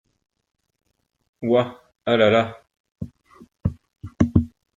Ouah !… ah ! là ! là !…